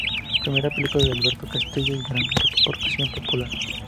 Primera película de Alberto Castillo y gran repercusión popular.